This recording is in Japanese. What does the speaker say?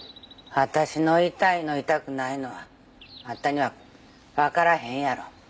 私の痛いの痛くないのはあんたにはわからへんやろ。